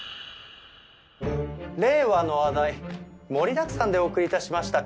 令和の話題盛りだくさんでお送り致しました